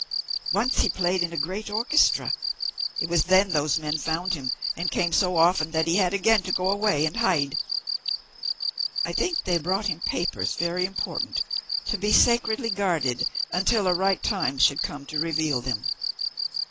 Once he played in a great orchestra. It was then those men found him and came so often that he had again to go away and hide. I think they brought him papers very important to be sacredly guarded until a right time should come to reveal them."